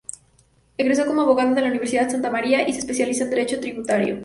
Egresó como abogada de la Universidad Santa María y se especializó en Derecho Tributario.